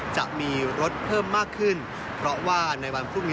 จะมีรถเพิ่มมากขึ้นเพราะว่าในวันพรุ่งนี้